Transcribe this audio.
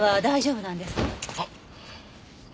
あっ！